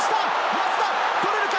松田、取れるか？